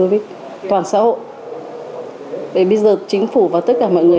bây giờ chính phủ và tất cả mọi người